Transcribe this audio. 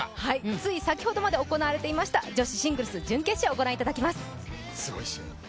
つい先ほどまで行われていました女子シングルス準決勝ご覧いただきます。